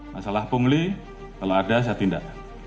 masalah pungli kalau ada saya tindak